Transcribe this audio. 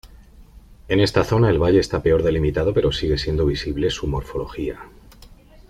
En esta zona, el valle está peor delimitado pero sigue siendo visible su morfología.